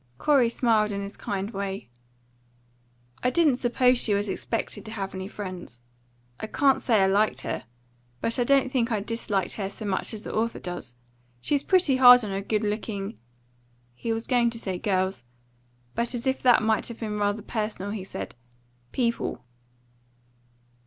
Corey smiled in his kind way. "I didn't suppose she was expected to have any friends. I can't say I liked her. But I don't think I disliked her so much as the author does. She's pretty hard on her good looking" he was going to say girls, but as if that might have been rather personal, he said "people."